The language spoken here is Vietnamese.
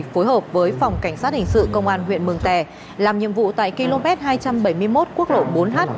phối hợp với phòng cảnh sát hình sự công an huyện mường tè làm nhiệm vụ tại km hai trăm bảy mươi một quốc lộ bốn h